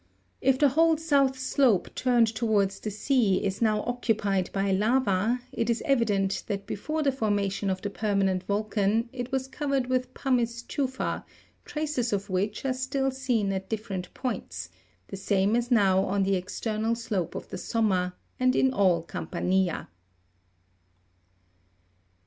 If the whole south slope turned towards the sea is now occupied by lava, it is evident that before the formation of the permanent volcan it was covered with pumice tufa, traces of which are still Been at different points, the same as now on the external slope of the somma, and in all Campa'nia.